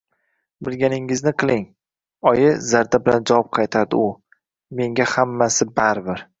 Bilganingizni qiling, oyi, zarda bilan javob qaytaradi u, menga hammasi baribir